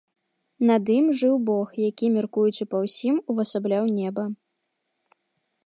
Над ім жыў бог, які, мяркуючы па ўсім, увасабляў неба.